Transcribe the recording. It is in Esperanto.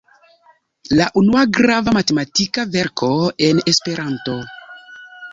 La unua grava matematika verko en Esperanto.